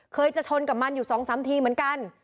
เคยจะชนกับมันอยู่สองสามทีเหมือนกัน